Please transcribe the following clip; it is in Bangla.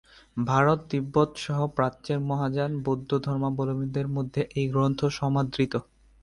ভারত, তিব্বত সহ প্রাচ্যের মহাযান বৌদ্ধ ধর্মাবলম্বীদের মধ্যে এই গ্রন্থ সমাদৃত।